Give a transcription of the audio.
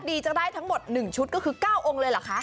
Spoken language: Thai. ผู้ชบดีทั้งหมด๑ชุดคือก็คือก้าวองค์เลยเหรอคะ